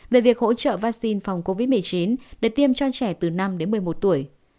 về việc hỗ trợ vaccine phòng covid một mươi chín để tiêm cho trẻ từ năm đến một mươi một tuổi